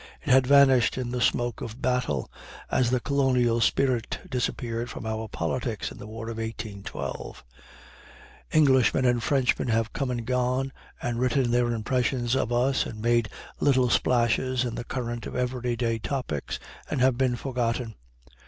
It had vanished in the smoke of battle, as the colonial spirit disappeared from our politics in the war of 1812. Englishmen and Frenchmen have come and gone, and written their impressions of us, and made little splashes in the current of every day topics, and have been forgotten.